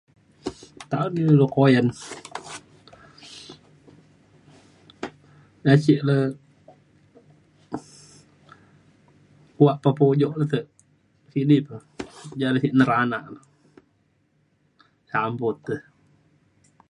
taen ilu kuyan. ja sek le kuak pepo ujok le te kini pa ja la sek nerenak le samput e.